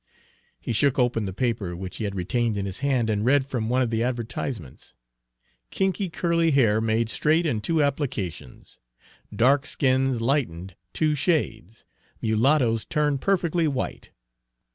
He shook open the paper, which he had retained in his hand, and read from one of the advertisements: "'Kinky, curly hair made straight in two applications. Dark skins lightened two shades; mulattoes turned perfectly white.'